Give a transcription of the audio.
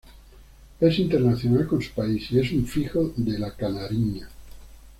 Es internacional con su país y es un fijo en la canarinha.